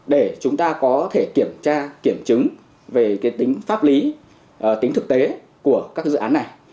để chúng ta có thể kiểm tra kiểm chứng về tính pháp lý tính thực tế của các dự án này